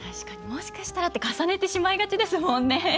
もしかしたらって重ねてしまいがちですもんね。